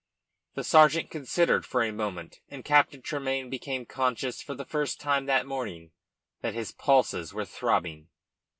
The sergeant considered for a moment, and Captain Tremayne became conscious for the first time that morning that his pulses were throbbing.